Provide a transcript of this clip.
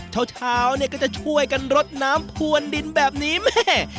เช้าเนี่ยก็จะช่วยกันรดน้ำพวนดินแบบนี้แม่